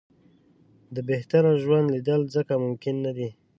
د بهتره ژوند لېدل ځکه ممکن نه دي.